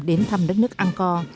đến thăm đất nước angkor